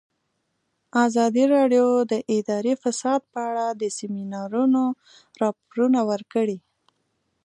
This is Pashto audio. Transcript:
ازادي راډیو د اداري فساد په اړه د سیمینارونو راپورونه ورکړي.